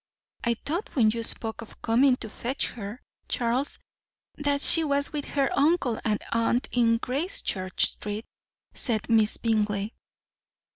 "I thought, when you spoke of coming to fetch her, Charles, that she was with her uncle and aunt in Gracechurch Street," said Miss Bingley.